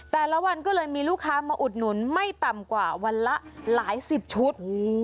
แต่ละวันก็เลยมีลูกค้ามาอุดหนุนไม่ต่ำกว่าวันละหลายสิบชุด